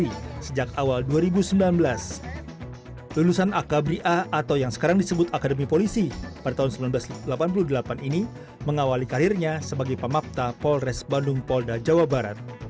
idam aziz adalah pemabta polres bandung polda jawa barat